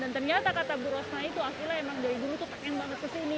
dan ternyata kata bu rosna itu akilah emang dari dulu tuh keren banget kesini